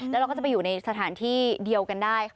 แล้วเราก็จะไปอยู่ในสถานที่เดียวกันได้